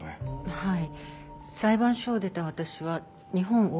はい。